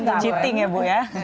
cheating ya ibu ya